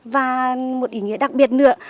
và một ý nghĩa đặc biệt nữa